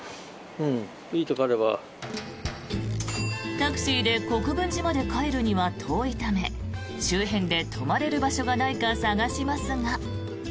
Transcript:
タクシーで国分寺まで帰るには遠いため周辺で泊まれる場所がないか探しますが。